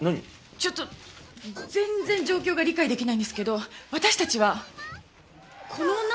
ちょっと全然状況が理解できないんですけど私たちはこの女の子を捜すんですか？